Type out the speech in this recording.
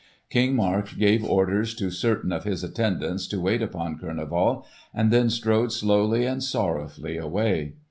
King Mark gave orders to certain of his attendants to wait upon Kurneval, and then strode slowly and sorrowfully away.